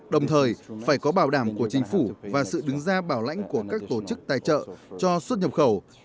đồng thời phải có bảo đảm của chính phủ và sự đứng ra bảo lãnh của các tổ chức tài trợ cho xuất nhập khẩu